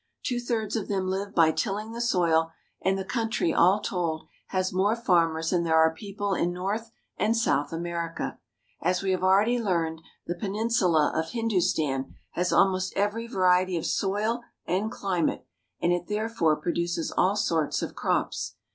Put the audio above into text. Two thirds of them live by tilling the soil, and the country all told has more farmers than there are people in North and South America. As we have already learned, the penin sula of Hindustan has almost every variety of soil and climate, and it therefore produces all sorts of crops.